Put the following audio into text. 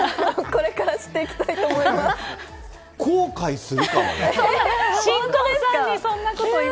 これから知っていきたいと思います。